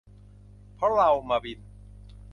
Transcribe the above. เพราะเรามาบิน